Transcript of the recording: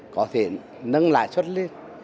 có thể nâng lãi suất lên